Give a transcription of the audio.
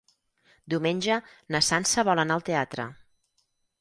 Diumenge na Sança vol anar al teatre.